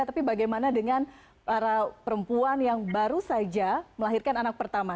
tapi bagaimana dengan para perempuan yang baru saja melahirkan anak pertama